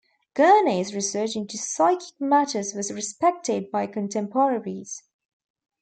Gurney's research into psychic matters was respected by contemporaries.